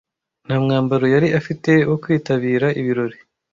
Nta mwambaro yari afite wo kwitabira ibirori.